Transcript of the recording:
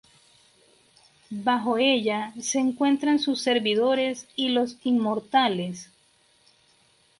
Bajo ella se encuentran sus servidores y los inmortales.